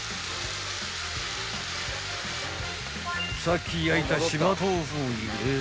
［さっき焼いた島豆腐を入れる］